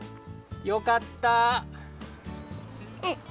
よかった。